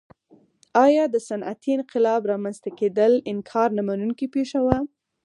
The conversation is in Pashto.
ایا د صنعتي انقلاب رامنځته کېدل انکار نه منونکې پېښه وه.